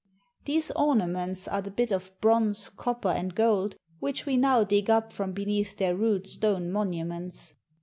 These ornaments are the bits of bronze, copper, and gold which we now dig up from beneath their rude stone monuments.